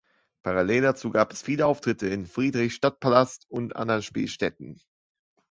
Parallel dazu gab es viele Auftritte im Friedrichstadtpalast und in anderen Spielstätten.